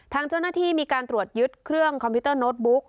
ทางเจ้าหน้าที่มีการตรวจยึดเครื่องคอมพิวเตอร์โน้ตบุ๊ก